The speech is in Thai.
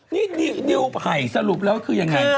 นี่นิวไผ่สรุปแล้วคือยังไง